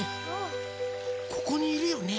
ここにいるよね？